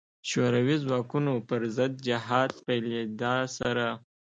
شوروي ځواکونو پر ضد جهاد پیلېدا سره.